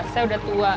saya udah tua